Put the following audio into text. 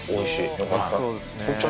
よかった。